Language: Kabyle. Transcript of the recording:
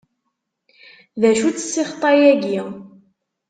D acu-tt ssixṭa-agi?